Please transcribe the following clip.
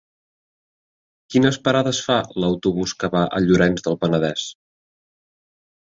Quines parades fa l'autobús que va a Llorenç del Penedès?